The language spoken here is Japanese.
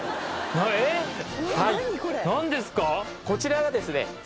こちらがですね。